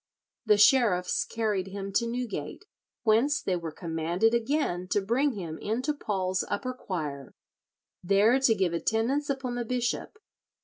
The sheriffs carried him to Newgate, whence they were commanded again to bring him into Paul's upper choir, there to give attendance upon the bishop.